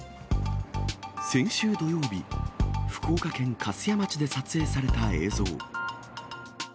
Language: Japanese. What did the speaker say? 先週土曜日、福岡県粕屋町で撮影された映像。